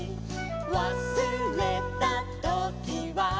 「わすれたときは」